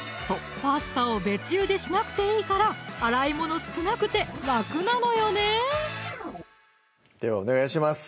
パスタを別ゆでしなくていいから洗い物少なくて楽なのよねではお願いします